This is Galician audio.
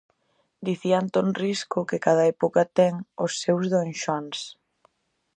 Dicía Antón Risco que cada época ten os seus donxoáns.